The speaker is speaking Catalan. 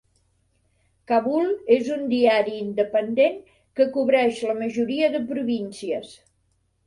Kabul és un diari independent que cobreix la majoria de províncies.